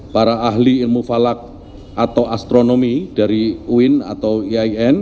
para ahli ilmu falak atau astronomi dari uin atau iain